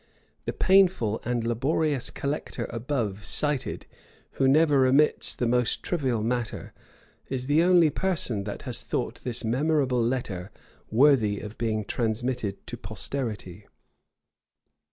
The painful and laborious collector above cited, who never omits the most trivial matter, is the only person that has thought this memorable letter worthy of being transmitted to posterity.